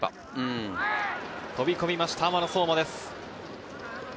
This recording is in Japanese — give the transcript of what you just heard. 飛び込みました、雨野颯真です。